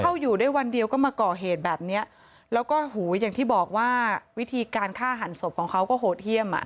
อยู่ได้วันเดียวก็มาก่อเหตุแบบเนี้ยแล้วก็หูอย่างที่บอกว่าวิธีการฆ่าหันศพของเขาก็โหดเยี่ยมอ่ะ